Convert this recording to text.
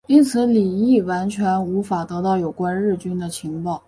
因此李镒完全无法得到有关日军的情报。